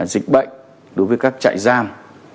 dịch bệnh đối với các trại giam